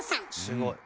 すごい。